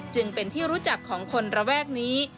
จึงเป็นที่รู้จักของคนระแวกนี้